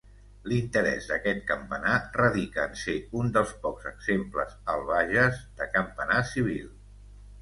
L'interès d'aquest campanar radica en ser un dels pocs exemples al Bages de campanar civil.